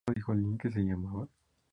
En televisión suele interpretar villanas.